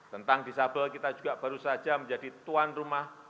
tentang disabel kita juga baru saja menjadi tuan rumah